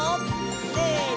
せの！